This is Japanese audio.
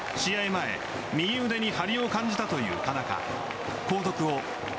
前右腕に張りを感じたという。